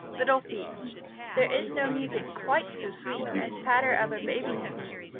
LITTLE FEET There is no music quite so sweet As patter of a baby's feet.